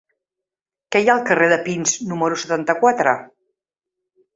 Què hi ha al carrer de Pins número setanta-quatre?